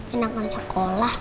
enak banget sekolah